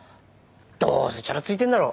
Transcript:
どうせチャラついてんだろ。